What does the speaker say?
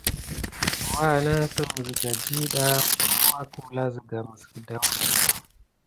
Douwa anasime siga ɗida bukun wakula siga mis gedaouraha.